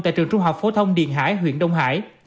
tại trường trung học phổ thông điền hải huyện đông hải